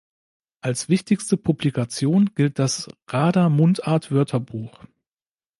Als wichtigste Publikation gilt das Rader Mundart Wörterbuch.